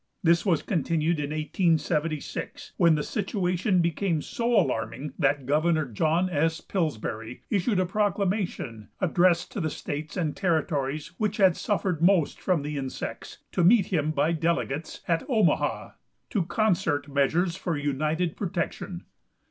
This was continued in 1876, when the situation became so alarming that Gov. John S. Pillsbury issued a proclamation, addressed to the states and territories which had suffered most from the insects, to meet him by delegates at Omaha, to concert measures for united protection.